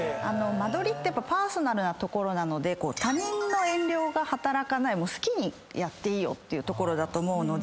間取りってパーソナルなところなので他人の遠慮が働かない好きにやっていいよっていうところだと思うので。